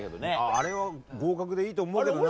あれは合格でいいと思うけどな。